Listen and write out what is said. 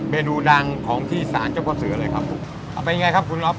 เมนูดังของที่สารเจ้าพ่อเสือเลยครับผมเอาเป็นยังไงครับคุณอ๊อ